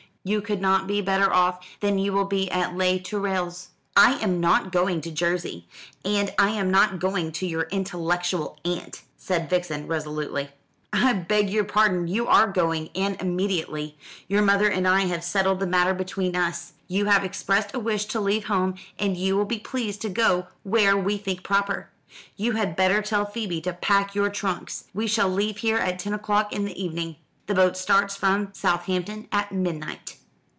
You could not be better off than you will be at Les Tourelles." "I am not going to Jersey, and I am not going to your intellectual aunt," said Vixen resolutely. "I beg your pardon, you are going, and immediately. Your mother and I have settled the matter between us. You have expressed a wish to leave home, and you will be pleased to go where we think proper. You had better tell Phoebe to pack your trunks. We shall leave here at ten o'clock in the evening. The boat starts from Southampton at midnight."